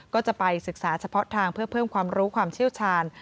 ก็จะไปศึกษาเฉพาะทางเพื่อเพิ่มความรู้ความเชี่ยวชาญ